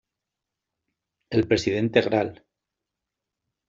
El presidente Gral.